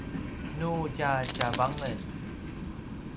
nu tja tjavangen